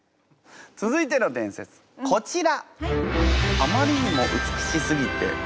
続いての伝説こちら！